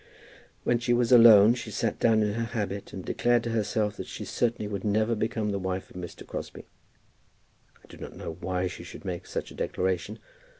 When she was alone she sat down in her habit, and declared to herself that she certainly would never become the wife of Mr. Crosbie. I do not know why she should make such a declaration.